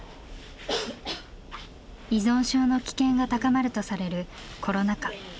依存症の危険が高まるとされるコロナ禍。